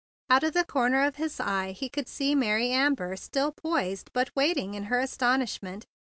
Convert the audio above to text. Out of the corner of his eye he could see Mary Amber still poised, but waiting in her astonishment.